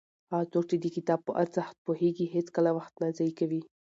هغه څوک چې د کتاب په ارزښت پوهېږي هېڅکله وخت نه ضایع کوي.